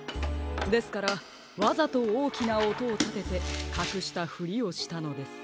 ですからわざとおおきなおとをたててかくしたふりをしたのです。